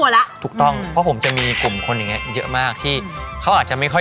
น้องรอนค์คะแฟนคลับกลุ่มแรกที่ติดตามน้องรอน